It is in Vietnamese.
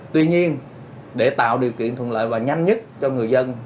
tuy nhiên để tạo điều kiện thuận lợi và nhanh nhất cho người dân